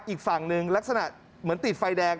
อีกฝั่งหนึ่งลักษณะเหมือนติดไฟแดง